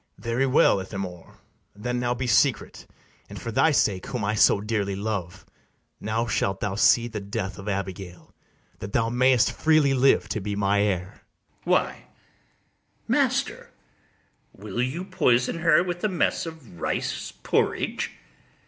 BARABAS. Very well, Ithamore; then now be secret; And, for thy sake, whom I so dearly love, Now shalt thou see the death of Abigail, That thou mayst freely live to be my heir. ITHAMORE. Why, master, will you poison her with a mess of rice porridge?